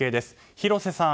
広瀬さん